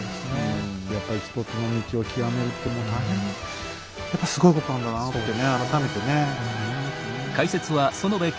やっぱり一つの道を究めるってもう大変やっぱすごいことなんだなと思って改めてね思いますね。